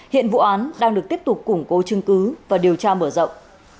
hiện vụ án đang được tiếp tục củng cố chứng cứ và điều tra mở rộng